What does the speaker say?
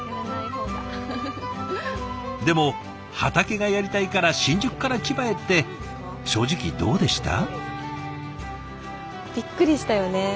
でも畑がやりたいから新宿から千葉へって正直どうでした？